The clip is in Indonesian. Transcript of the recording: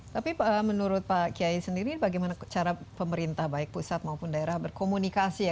tapi menurut pak kiai sendiri bagaimana cara pemerintah baik pusat maupun daerah berkomunikasi ya